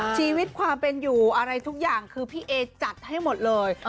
ชีวิตความเป็นอยู่อะไรทุกอย่างคือพี่เอจัดให้หมดเลย